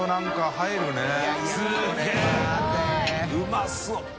うまそう！